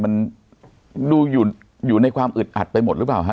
มันดูอยู่ในความอึดอัดไปหมดหรือเปล่าฮ